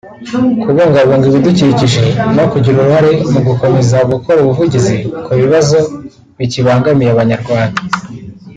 kubungabunga ibidukikije no kugira uruhare mu gukomeza gukora ubuvugizi ku bibazo bikibangamiye Abanyarwanda